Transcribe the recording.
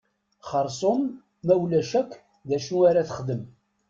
Xersum ma ulac akk d acu ara texdem.